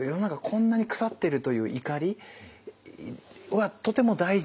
こんなに腐ってるという怒りはとても大事。